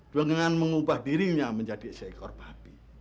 dengan mengubah dirinya menjadi seekor babi